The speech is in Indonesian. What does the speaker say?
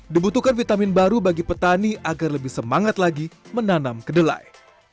dibutuhkan vitamin baru bagi petani agar lebih semangat lagi menanam kedelai